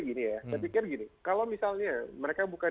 saya pikir gini kalau misalnya mereka bukan